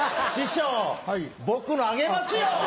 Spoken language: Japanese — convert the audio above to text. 師匠僕のあげますよ。